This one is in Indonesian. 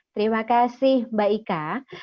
terima kasih mbak ika